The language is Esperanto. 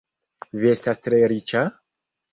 Vi estas tre riĉa?